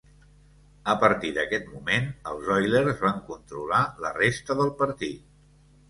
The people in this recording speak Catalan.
A partir d'aquest moment, els Oilers van controlar la resta del partit.